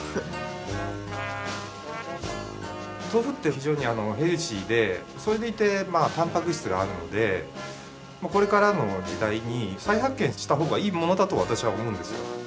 豆腐って非常にヘルシーでそれでいてタンパク質があるのでこれからの時代に再発見したほうがいいものだと私は思うんですよ。